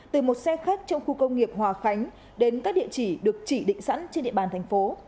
từ một xe khách trong khu công nghiệp hòa khánh đến các địa chỉ được chỉ định sẵn trên địa bàn thành phố